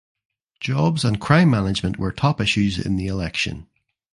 Jobs and crime management were top issues in the election.